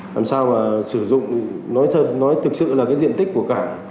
làm sao mà sử dụng nói thật nói thực sự là cái diện tích của cảng